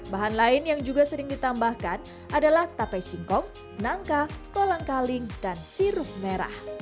bahan lain yang juga sering ditambahkan adalah tape singkong nangka kolang kaling dan sirup merah